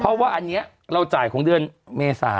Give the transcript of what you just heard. เพราะว่าอันนี้เราจ่ายของเดือนเมษา